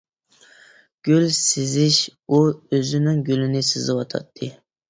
گۈل سىزىش ئۇ ئۆزىنىڭ گۈلىنى سىزىۋاتاتتى.